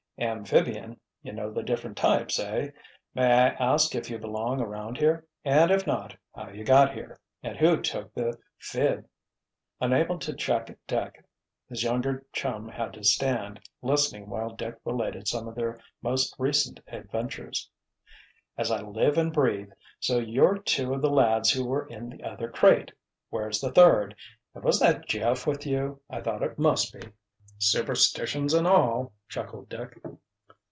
"Amphibian? You know the different types, eh? May I ask if you belong around here, and if not, how you got here—and who took the 'phib'?" Unable to check Dick, his younger chum had to stand, listening while Dick related some of their most recent adventures. "As I live and breathe! So you're two of the lads who were in the other 'crate'. Where's the third—and was that Jeff with you? I thought it must be." "Superstitions and all!" chuckled Dick.